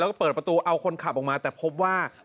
แล้วก็เปิดประตูเอาคนขับออกมาแต่พบว่า